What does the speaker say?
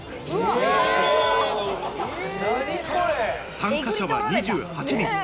参加者は２８人。